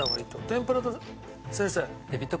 天ぷらと先生。